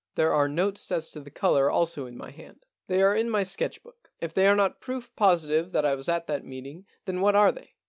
There are notes as to the colour also in my hand. They are in my sketch book. If they are not proof positive that I was at that meeting, then what are they